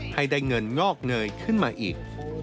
ให้ได้เงินงอกเงยขึ้นมาอีก